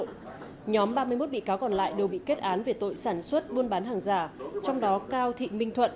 nhóm ba mươi một bị cáo còn lại đều bị kết án về tội sản xuất buôn bán hàng giả trong đó cao thị minh thuận